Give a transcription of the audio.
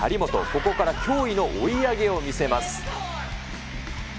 ここから驚異の追い上げを見せます。